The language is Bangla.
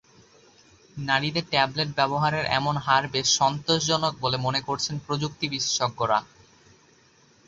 নারীদের ট্যাবলেট ব্যবহারের এমন হার বেশ সন্তোষজনক বলে মনে করছেন প্রযুক্তি বিশেষজ্ঞরা।